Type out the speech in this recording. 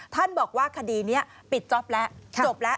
ท่านบอกว่าคดีนี้ปิดจบแล้ว